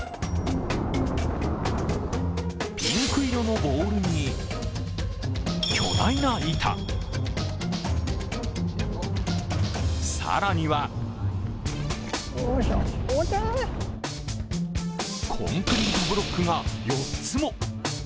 ピンク色のボールに、巨大な板、更にはコンクリートブロックが４つも。